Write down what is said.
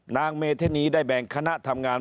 นางเมธินีได้แบ่งคณะทำงาน